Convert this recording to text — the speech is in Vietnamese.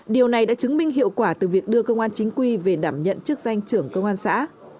điều này đã chứng minh hiệu quả từ việc đưa công an chính quy về đảm nhận chức danh trưởng công an xã